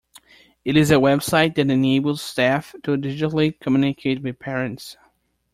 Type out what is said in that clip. It is a website that enables staff to digitally communicate with parents.